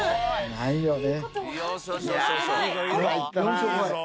ないよね。